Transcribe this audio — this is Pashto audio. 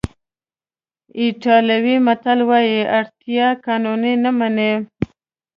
ایټالوي متل وایي اړتیا قانون نه مني.